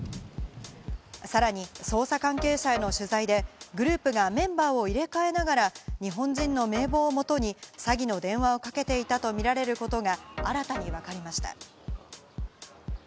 さらに捜査関係者への取材でグループがメンバーを入れ替えながら日本人の名簿をもとに詐欺の電話をかけていたとみられることが新たに分かりました。